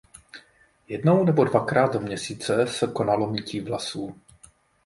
Jednou nebo dvakrát do měsíce se konalo mytí vlasů.